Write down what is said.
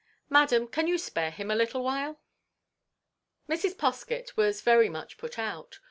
"Madam, can you spare him a little while?" Mrs. Poskett was much put out.